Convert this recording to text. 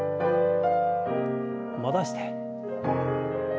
戻して。